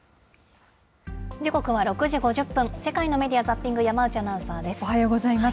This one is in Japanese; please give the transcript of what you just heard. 時刻は６時５０分、世界のメディア・ザッピング、山内アナウおはようございます。